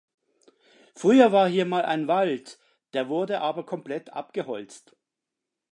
Früher war hier mal ein Wald, der wurde aber komplett abgeholzt.